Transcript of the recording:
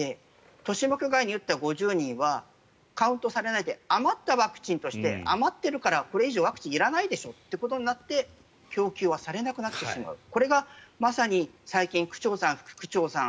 豊島区外に打った５０人はカウントされないで余ったワクチンとして余っているからこれ以上、ワクチンいらないでしょうということになって供給されなくなってしまうこれがまさに最近区長さん、副区長さん